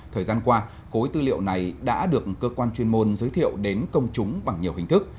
thời gian qua khối tư liệu này đã được cơ quan chuyên môn giới thiệu đến công chúng bằng nhiều hình thức